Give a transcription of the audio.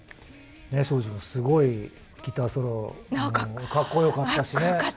昭次の、すごいギターソロも格好よかったしね。